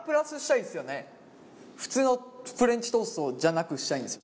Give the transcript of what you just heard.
普通のフレンチトーストじゃなくしたいんですよ。